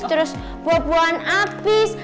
terus buah buahan habis